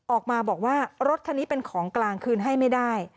ออกมาบอกว่ารถคันนี้เป็นของกลางคืนให้ไม่ได้